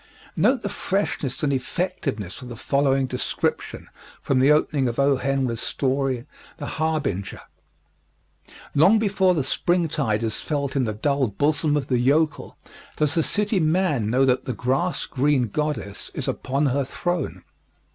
Note the freshness and effectiveness of the following description from the opening of O. Henry's story, "The Harbinger." Long before the springtide is felt in the dull bosom of the yokel does the city man know that the grass green goddess is upon her throne.